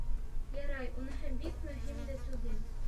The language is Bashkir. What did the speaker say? Ярай, уныһы бик мөһим дә түгел.